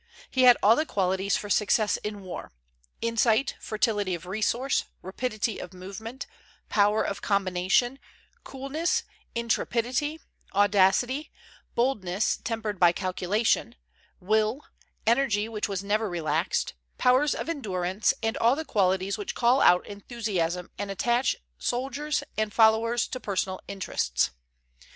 He had all the qualities for success in war, insight, fertility of resource, rapidity of movement, power of combination, coolness, intrepidity, audacity, boldness tempered by calculation, will, energy which was never relaxed, powers of endurance, and all the qualities which call out enthusiasm and attach soldiers and followers to personal interests.